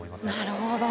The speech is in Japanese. なるほど。